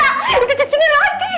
mas al itu udah di kecilin lagi